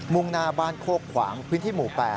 ่งหน้าบ้านโคกขวางพื้นที่หมู่๘